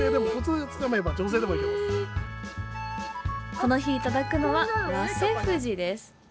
この日いただくのは早生ふじ。